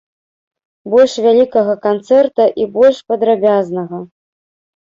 Больш вялікага канцэрта, і больш падрабязнага.